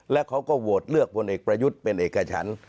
แล้วเขาก็โหวตเลือกพลเอกประยุทธ์เป็นเอกฉัน